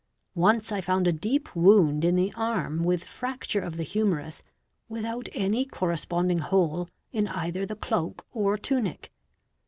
Once I found a deep wound in the arm with fracture of the ~ humerus without any corresponding hole in either the cloak or tunic.